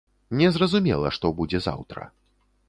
Незразумела, што будзе заўтра.